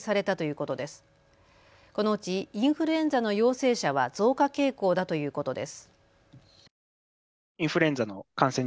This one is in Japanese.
このうちインフルエンザの陽性者は増加傾向だということです。